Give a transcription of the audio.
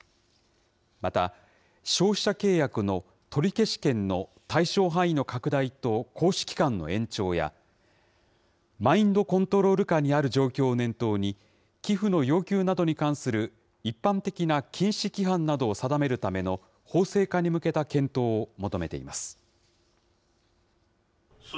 また、消費者契約の取消権の対象範囲の拡大と、行使期間の延長や、マインドコントロール下にある状況を念頭に、寄付の要求などに関する一般的な禁止規範などを定めるための法制化に向けた検討を求めています。